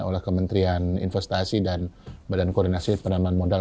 oleh kementerian investasi dan badan koordinasi penanaman modal